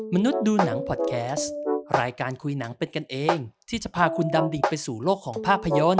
มนุษย์ดูหนังพอดแคสต์รายการคุยหนังเป็นกันเองที่จะพาคุณดำดิงไปสู่โลกของภาพยนตร์